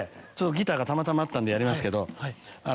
ギターがたまたまあったんでやりますけど。